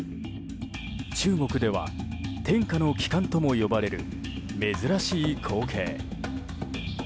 中国では天下の奇観とも呼ばれる珍しい光景。